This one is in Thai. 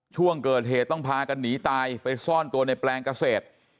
ช่วงเกิดเหตุต้องพากันหนีตายไปซ่อนตัวในแปลงเกษตร